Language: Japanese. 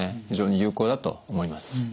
非常に有効だと思います。